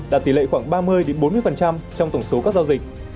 đạt tỷ lệ khoảng ba mươi bốn mươi trong tổng số các giao dịch